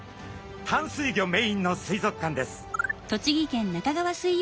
淡水魚メインの水族館です。